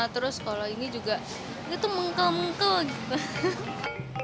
terus kalau ini juga dia tuh mengkel mengkel gitu